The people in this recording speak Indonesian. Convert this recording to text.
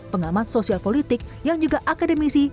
pengamat sosial politik yang juga akademisi